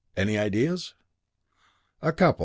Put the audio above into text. Any ideas?" "A couple.